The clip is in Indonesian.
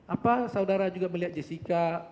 apa saudara juga melihat jessica